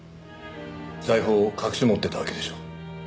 財宝を隠し持ってたわけでしょう？